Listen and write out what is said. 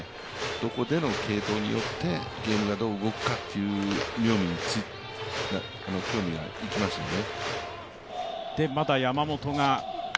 どこでの継投によってゲームがどう動くかというのに興味がいきますね。